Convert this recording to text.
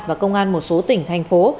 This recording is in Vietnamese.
và công an một số tỉnh thành phố